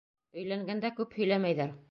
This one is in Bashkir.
Өйләнгәндә күп һөйләмәйҙәр!